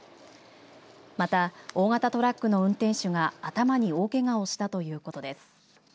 また、大型トラックの運転手が頭に大けがをしたということです。